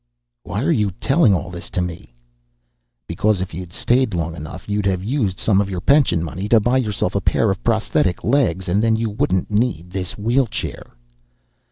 "Why are you telling all this to me?" "Because if you'd stayed long enough, you'd have used some of your pension money to buy yourself a pair of prosthetic legs, and then you wouldn't need this wheelchair."